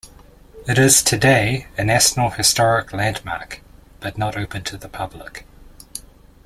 It is today a National Historic Landmark, but not open to the public.